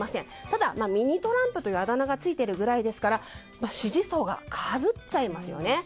ただミニ・トランプというあだ名がついているぐらいですから支持層がかぶっちゃいますよね。